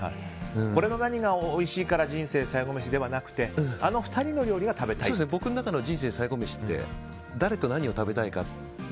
これの何がおいしいから人生最後メシじゃなくて僕の中の人生最後メシって誰と何を食べたいか。